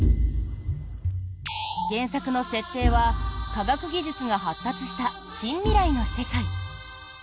原作の設定は科学技術が発達した近未来の世界。